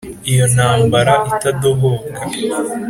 iyo ntambara itadohoka